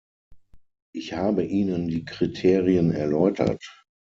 Ich habe Ihnen die Kriterien erläutert.